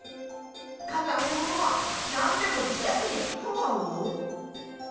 かたいものはなんでもじしゃくにつくワオ？